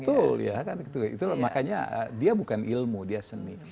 betul ya kan itu makanya dia bukan ilmu dia seni